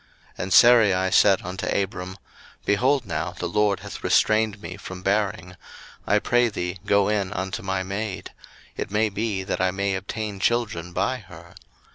01:016:002 And Sarai said unto Abram, Behold now, the LORD hath restrained me from bearing: I pray thee, go in unto my maid; it may be that I may obtain children by her.